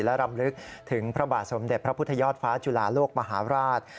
และรำลึกถึงพระบาทสมเด็จพระพุทธยอดฟ้าจุฬาโลกมหาราช